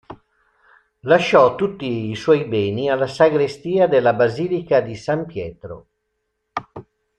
Lasciò tutti i suoi beni alla sagrestia della basilica di San Pietro.